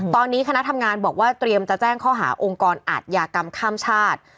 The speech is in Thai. ตอนนี้คณะทำงานบอกว่าเตรียมจะแจ้งข้อหาองค์กรอาทยากรรมข้ามชาติ